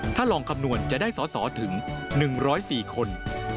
ถ้าลองคำนวณจะได้สอสอถึง๑๐๔คน